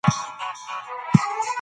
دا دوه مسرې نړۍ ده.